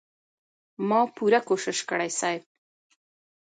ما پوره کوشش کړی صيب.